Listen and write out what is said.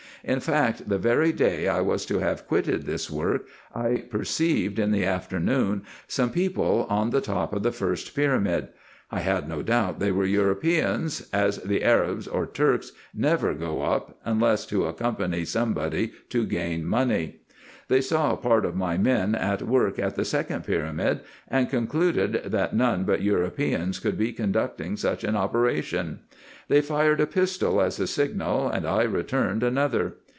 In fact, the very day I was to have quitted this work, I perceived, in the afternoon, some people on the top of the first pyramid. I had no doubt they were Europeans, as the Arabs or Turks never go up, unless to accom pany somebody, to gain money. They saw part of my men at work at the second pyramid, and concluded that none but Eu ropeans could be conducting such an operation. They fired a pistol as a signal, and I returned another.